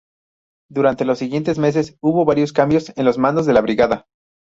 Durante los siguientes meses hubo varios cambios en los mandos de la brigada.